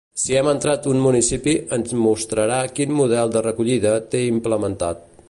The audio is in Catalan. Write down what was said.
Si hem entrat un municipi, ens mostrarà quin model de recollida té implementat.